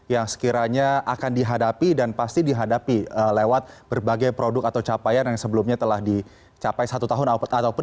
yang sekiranya akan dihadapi dan pasti dihadapi lewat berbagai produk atau capaian yang sebelumnya telah dicapai satu tahun